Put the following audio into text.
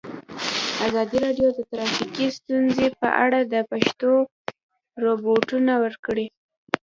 ازادي راډیو د ټرافیکي ستونزې په اړه د پېښو رپوټونه ورکړي.